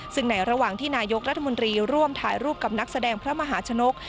ซึ่งในระหว่างที่นายกรัฐมนตรีร่วมถ่ายรูปกับนักแสดงพระมหาชนก